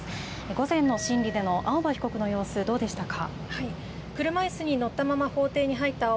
午前の審理での青葉被告の様子はどうでしたか。